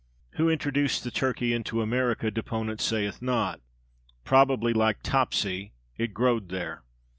Who introduced the turkey into America deponent sayeth not. Probably, like Topsy, it "growed" there.